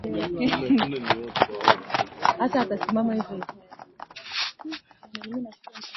ya watu wa hali ya chini aa sisi